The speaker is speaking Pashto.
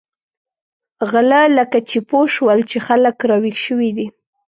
غله لکه چې پوه شول چې خلک را وېښ شوي دي.